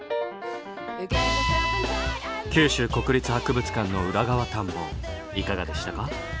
九州国立博物館の裏側探訪いかがでしたか？